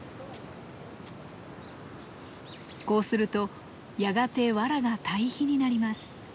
こうするとやがてわらが堆肥になります。